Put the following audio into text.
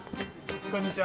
こんにちは。